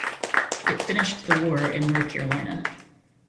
It finished the war in North Carolina.